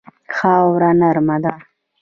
خاوره نرمه ده.